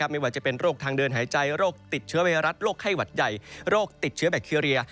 ไม่ว่าจะเป็นโรคทางเดินหายใจโรคติดเชื้อไวรัสโรคไข้หวัดใหญ่โรคติดเชื้อแบคทีเรีย